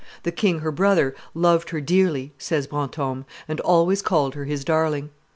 "The king her brother loved her dearly," says Brantome, "and always called her his darling.